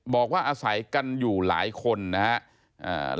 บอกว่าอาศัยกันอยู่หลายคนนะครับ